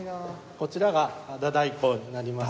こちらが太鼓になります。